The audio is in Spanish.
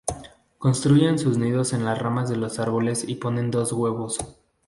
Construyen sus nidos en las ramas de los árboles y ponen dos huevos.